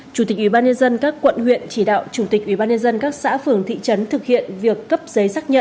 chủ tịch ubnd các quận huyện chỉ đạo chủ tịch ubnd các xã phường thị trấn thực hiện việc cấp giấy xác nhận